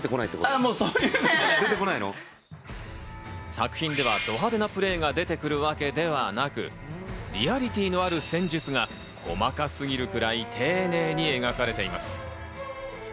作品ではド派手なプレーが出てくるわけではなく、リアリティーのある戦術が細かすぎるくらい丁寧に描かれています。